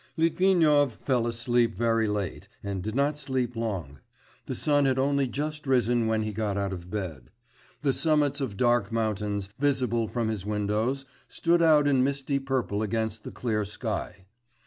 X Litvinov fell asleep very late, and did not sleep long; the sun had only just risen when he got out of bed. The summits of dark mountains visible from his windows stood out in misty purple against the clear sky.